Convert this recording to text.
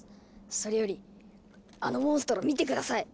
それよりあのモンストロ見て下さい！